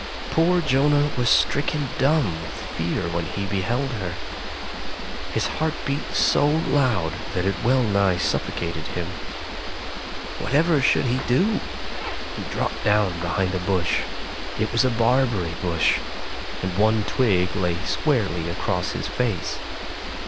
Poor Jonah was stricken dumb with fear when he beheld her. His heart beat so loud that it well nigh suffocated him. Whatever should he do ? He dropped down behind a bush. It was a barberry bush, and one twig lay squarely across his face.